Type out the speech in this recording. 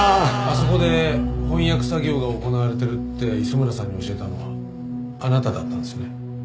あそこで翻訳作業が行われているって磯村さんに教えたのはあなただったんですね。